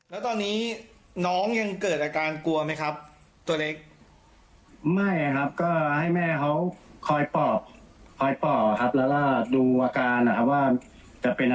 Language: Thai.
แล้วตอนนี้น้องยังเกิดอาการกลัวไหมครับตัวเล็ก